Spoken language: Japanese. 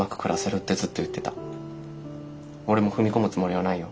俺も踏み込むつもりはないよ。